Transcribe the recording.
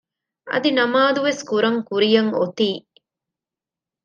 އަދި ނަމާދުވެސް ކުރަން ކުރިޔަށް އޮތީ